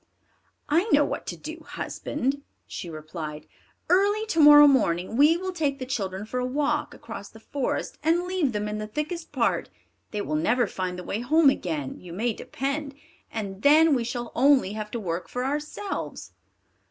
"I know what to do, husband," she replied; "early to morrow morning we will take the children for a walk across the forest and leave them in the thickest part; they will never find the way home again, you may depend, and then we shall only have to work for ourselves."